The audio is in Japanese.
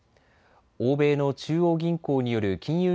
欧米の中央銀行による金融